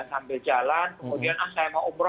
sambil jalan kemudian ah saya mau umroh